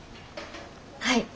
はい。